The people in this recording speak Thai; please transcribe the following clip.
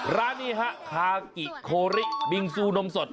ร้านนี้ฮะคากิโคริบิงซูนมสด